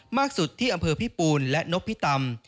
มากสุดที่อำเภอพิปูนและนพิตำ